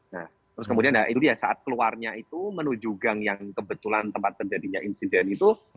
nah terus kemudian itu dia saat keluarnya itu menuju gang yang kebetulan tempat terjadinya insiden itu